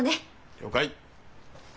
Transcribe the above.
了解！